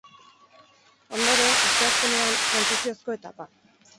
Ondoren, asteazkenean, trantsiziozko etapa.